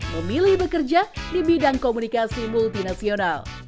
memilih bekerja di bidang komunikasi multinasional